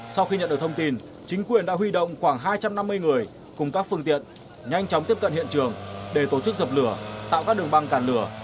sau khi nhận được thông tin chính quyền đã huy động khoảng hai trăm năm mươi người cùng các phương tiện nhanh chóng tiếp cận hiện trường để tổ chức dập lửa tạo các đường băng cản lửa